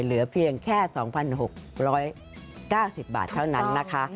เหลือเพียงแค่๒๖๙๐บาทเท่านั้นนะคะ